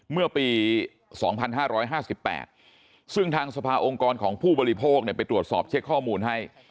เมื่อปี๒๕๕๘ซึ่งทางสภาองค์กรของผู้บริโภคไปตรวจสอบเช็คข้อมูลให้